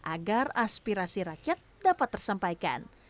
agar aspirasi rakyat dapat tersampaikan